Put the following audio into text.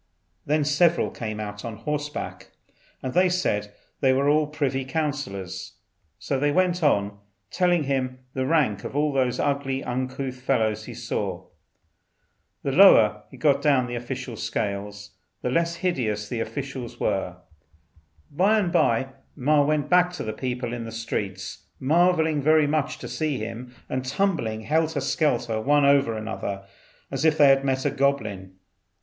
Then several came out on horseback, and they said these were the privy councillors. So they went on, telling him the rank of all the ugly uncouth fellows he saw. The lower they got down in the official scale the less hideous the officials were. By and by Ma went back, the people in the streets marvelling very much to see him, and tumbling helter skelter one over another as if they had met a goblin.